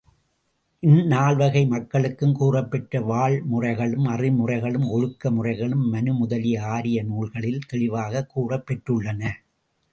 இந்நால்வகை மக்களுக்கும் கூறப்பெற்ற வாழ்முறைகளும், அறமுறைகளும், ஒழுக்க முறைகளும் மனு முதலிய ஆரிய நூல்களில் தெளிவாகக் கூறப்பெற்றுள்ளன.